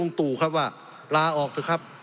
สงบจนจะตายหมดแล้วครับ